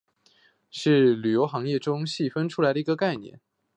是旅游行业中细分出来的一个概念。